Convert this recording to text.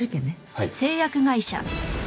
はい。